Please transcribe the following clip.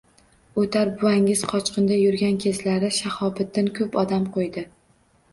Oʼtar buvangiz qochqinda yurgan kezlari Shahobiddin koʼp odam qoʼydi.